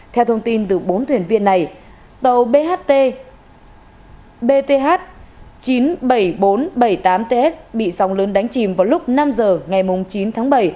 theo thông tin từ bốn thuyền viên này tàu bht bth chín mươi bảy nghìn bốn trăm bảy mươi tám ts bị sóng lớn đánh chìm vào lúc năm giờ ngày chín tháng bảy